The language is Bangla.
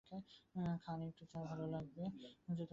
খান একটু চা, ভালো লাগবে।